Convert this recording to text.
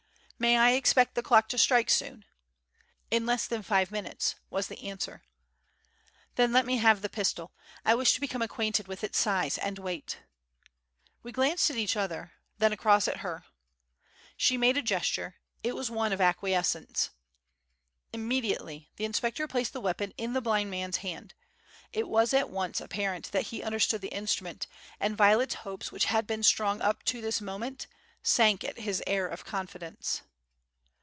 "May I expect the clock to strike soon?" "In less than five minutes," was the answer. "Then let me have the pistol; I wish to become acquainted with its size and weight." We glanced at each other, then across at her. She made a gesture; it was one of acquiescence. Immediately the inspector placed the weapon in the blind man's hand. It was at once apparent that he understood the instrument, and Violet's hopes which had been strong up to this moment, sank at his air of confidence.